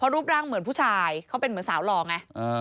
รูปร่างเหมือนผู้ชายเขาเป็นเหมือนสาวหล่อไง